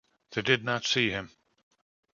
They did not see him.